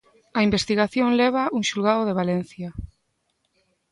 A investigación lévaa un xulgado de Valencia.